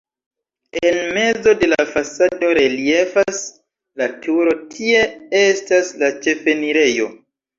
En mezo de la fasado reliefas la turo, tie estas la ĉefenirejo.